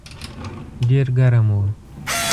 ډېر ګرم و.